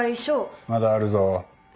まだあるぞ。